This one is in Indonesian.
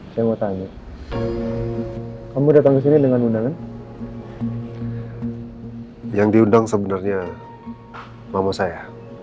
saya mau tanya kamu datang ke sini dengan undangan yang diundang sebenarnya mama saya